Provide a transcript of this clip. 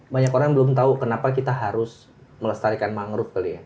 banyak orang belum tahu kenapa kita harus melestarikan mangrove kali ya